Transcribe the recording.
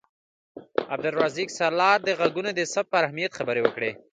عبدالرزاق سالار د غږونو د ثبت پر اهمیت خبرې وکړې.